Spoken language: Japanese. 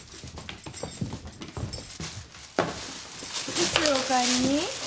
いつお帰りに？